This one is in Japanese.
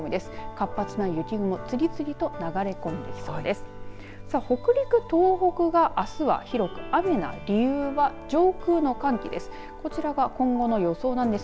活発な雪雲次々と流れ込んできそうです。